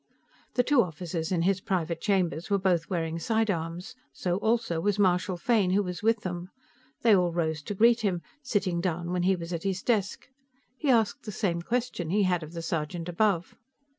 The two officers in his private chambers were both wearing sidearms. So, also, was Marshal Fane, who was with them. They all rose to greet him, sitting down when he was at his desk. He asked the same question he had of the sergeant above.